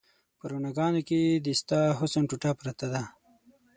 په رڼاګانو کې د ستا حسن ټوټه پرته ده